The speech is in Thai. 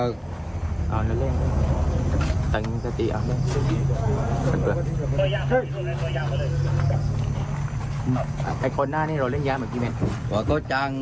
คุณเจ๊เดี๋ยวเราไปขึ้นเข้ามา